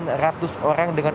dari standar minimum